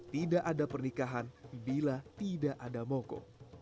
tidak ada pernikahan bila tidak ada moko